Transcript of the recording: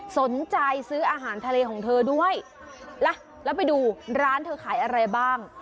สนใจซื้ออาหารทะเลของเธอด้วยล่ะแล้วไปดูร้านเธอขายอะไรบ้าง